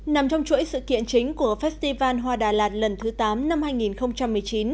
nằm trong chuỗi sự kiện chính của festival hoa đà lạt lần thứ tám năm hai nghìn một mươi chín